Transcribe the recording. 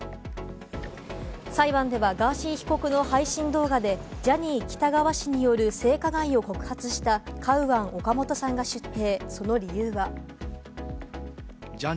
裁判ではガーシー被告の配信動画でジャニー喜多川氏による性加害を告発したカウアン・オカモトさんが出廷。